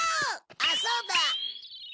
あっそうだ。